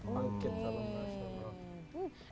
bangkit salam sejahtera